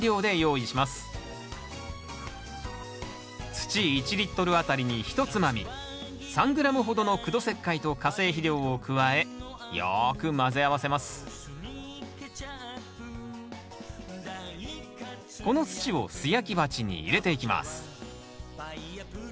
土１あたりにひとつまみ３ｇほどの苦土石灰と化成肥料を加えよく混ぜ合わせますこの土を素焼き鉢に入れていきます。